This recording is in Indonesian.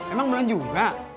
emang belum juga